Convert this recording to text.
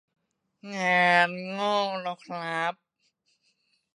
งานงอกแล้วครับ